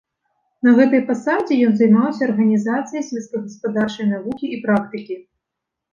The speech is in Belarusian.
На гэтай пасадзе ён займаўся арганізацыяй сельскагаспадарчай навукі і практыкі.